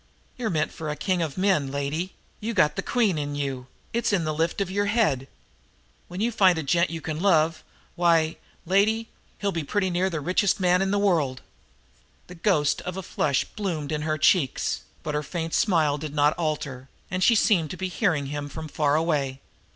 "You're meant for a king o' men, lady; you got the queen in you it's in the lift of your head. When you find the gent you can love, why, lady, he'll be pretty near the richest man in the world!" The ghost of a flush bloomed in her cheeks, but her faint smile did not alter, and she seemed to be hearing him from far away.